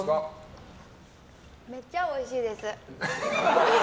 めっちゃおいしいです。